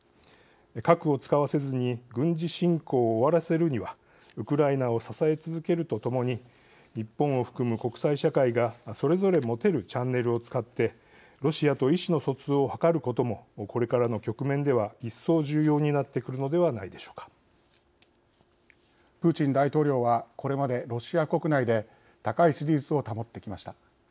核を使わせずに軍事侵攻を終わらせるにはウクライナを支え続けるとともに日本を含む国際社会がそれぞれ持てるチャンネルを使ってロシアと意思の疎通を図ることもこれからの局面では一層、重要になってくるのではプーチン大統領はこれまでロシア国内で高い支持率を保ってきました。